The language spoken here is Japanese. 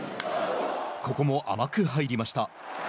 ここも甘く入りました。